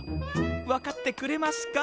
分かってくれますか！